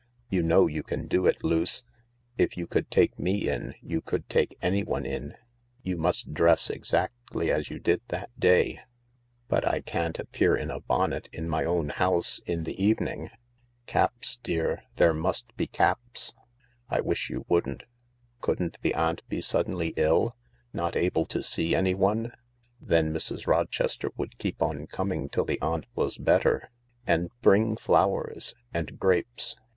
You know you can do it, Luce. If you could take me in you could take anyone in. You must dress exactly as you did that day." 236 THE LARK " But I can't appear in a bonnet, in my own house, in the evening !" "Caps, dear— there must be caps." " I wish you wouldn't. Couldn't the aunt be suddenly ill ? Not able to see anyone ?"" Then Mrs. Rochester would keep on coming till the aunt was better. And bring flowers. And grapes.